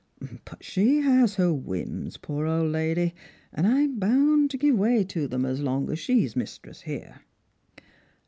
_ But she has her whims, poor old lady, and I'm bound to give way to them as long as she's mistress here."